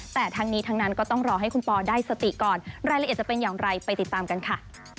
แต่ทั้งนี้ทั้งนั้นก็ต้องรอให้คุณปอได้สติก่อนรายละเอียดจะเป็นอย่างไรไปติดตามกันค่ะ